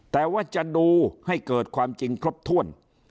แต่ว่าจะดูให้เกิดความจริงครบถ้วน